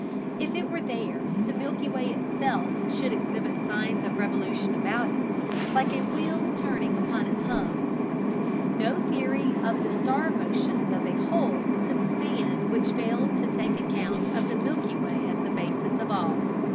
If it were there the Milky Way itself should exhibit signs of revolution about it, like a wheel turning upon its hub. No theory of the star motions as a whole could stand which failed to take account of the Milky Way as the basis of all.